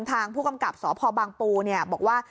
ทางผู้กำกับสพปเนี่ยบอกว่า